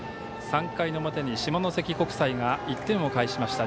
３回の表に、下関国際が１点を返しました。